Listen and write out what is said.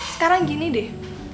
sekarang gini deh